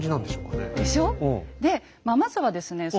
でしょ？でまずはですね